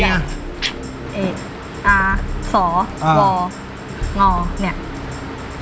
อ่าสอวองอเนี่ย